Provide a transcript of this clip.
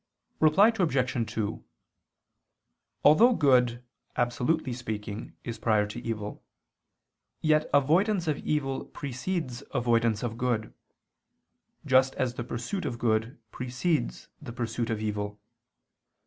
Reply Obj. 2: Although good, absolutely speaking, is prior to evil, yet avoidance of evil precedes avoidance of good; just as the pursuit of good precedes the pursuit of evil.